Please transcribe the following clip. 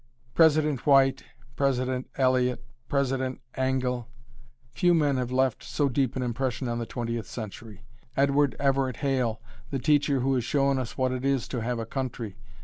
President White, President Eliot, President Angell, few men have left so deep an impression on the Twentieth Century. Edward Everett Hale, the teacher who has shown us what it is to have a country.